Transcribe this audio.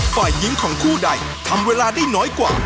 ฝ่ายหญิงของคู่ใดทำเวลาได้น้อยกว่า